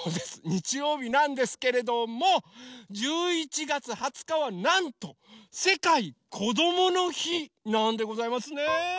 にちようびなんですけれども１１月２０日はなんとせかいこどものひなんでございますね！